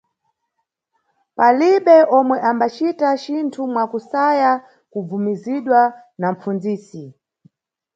Palibe omwe ambacita cinthu mwakusaya kubvumizidwa na mʼpfundzisi.